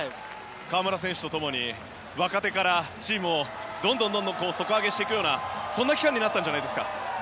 河村選手と共に若手からチームをどんどん底上げしていくようなそんな期間になったんじゃないですか？